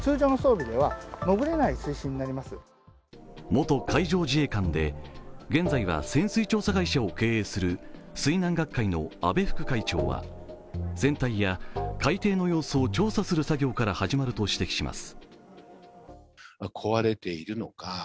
元海上自衛官で現在は潜水調査会社を経営する水難学会の安倍副会長は船体や海底の様子を調査する作業から始まると指摘します。